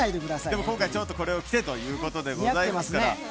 でも今回、ちょっとこれを着てということでございますから。